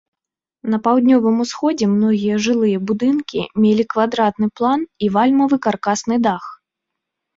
На паўднёвым усходзе многія жылыя будынкі мелі квадратны план і вальмавы каркасны дах.